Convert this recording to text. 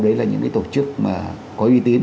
đấy là những cái tổ chức mà có uy tín